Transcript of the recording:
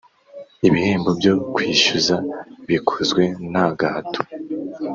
Ibihembo byo kwishyuza bikozwe nta gahato